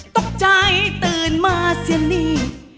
ตกใจตื่นมาเสียนี่